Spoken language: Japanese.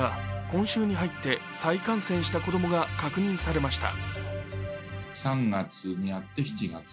今週に入って再感染した子供が確認されました。